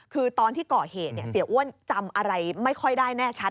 คือตอนที่ก่อเหตุเสียอ้วนจำอะไรไม่ค่อยได้แน่ชัด